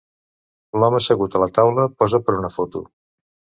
L'home assegut a la taula posa per una foto.